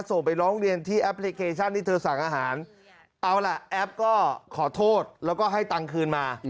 ส่งไปร้องเรียนที่แอปพลิเคชันที่เธอสั่งอาหารเอาล่ะแอปก็ขอโทษแล้วก็ให้ตังค์คืนมา